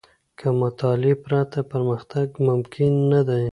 له مطالعې پرته، پرمختګ ممکن نه دی.